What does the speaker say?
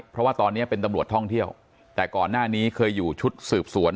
เพราะว่าตอนนี้เป็นตำรวจท่องเที่ยวแต่ก่อนหน้านี้เคยอยู่ชุดสืบสวน